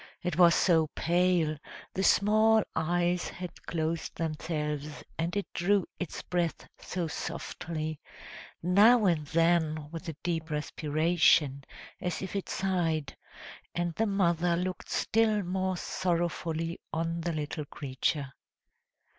It was so pale, the small eyes had closed themselves, and it drew its breath so softly, now and then, with a deep respiration, as if it sighed; and the mother looked still more sorrowfully on the little creature.